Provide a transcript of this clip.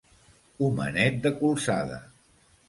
Homenet de colzada.